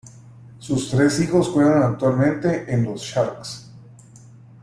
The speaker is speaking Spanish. Sus tres hijos juegan actualmente en los Sharks.